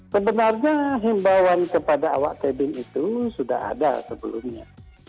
sebenarnya himbauan kepada awak kabin itu sudah ada sebelumnya